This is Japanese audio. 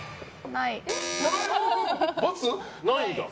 ないんだ。